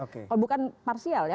kalau bukan parsial ya